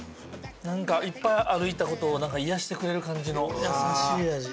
なんかいっぱい歩いた事を癒やしてくれる感じの優しい味。